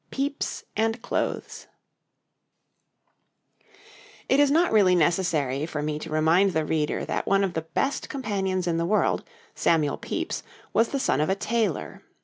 PEPYS AND CLOTHES It is not really necessary for me to remind the reader that one of the best companions in the world, Samuel Pepys, was the son of a tailor.